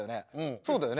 そうだよね？